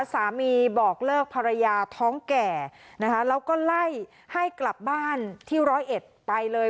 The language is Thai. บอกเลิกภรรยาท้องแก่นะคะแล้วก็ไล่ให้กลับบ้านที่ร้อยเอ็ดไปเลย